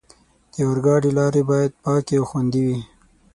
د اورګاډي لارې باید پاکې او خوندي وي.